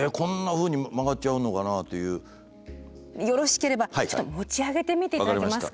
よろしければちょっと持ち上げてみて頂けますか。